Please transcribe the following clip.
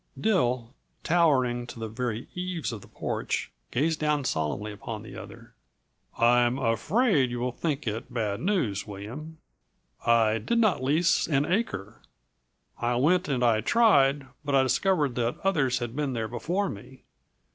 Dill, towering to the very eaves of the porch, gazed down solemnly upon the other. "I'm afraid you will think it bad news, William. I did not lease an acre. I went, and I tried, but I discovered that others had been there before me.